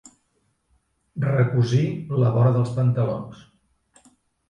Recosir la vora dels pantalons.